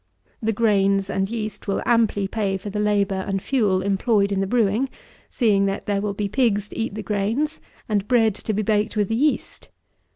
The grains and yeast will amply pay for the labour and fuel employed in the brewing; seeing that there will be pigs to eat the grains, and bread to be baked with the yeast.